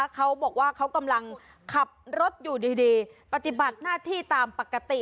เขาบอกว่าเขากำลังขับรถอยู่ดีปฏิบัติหน้าที่ตามปกติ